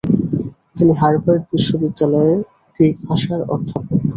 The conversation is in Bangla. তিনি হার্ভার্ড বিশ্ববিদ্যালয়ের গ্রীকভাষার অধ্যাপক।